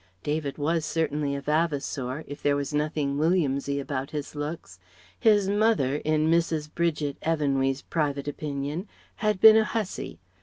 David was certainly a Vavasour, if there was nothing Williamsy about his looks.... His mother, in Mrs. Bridget Evanwy's private opinion, had been a hussy....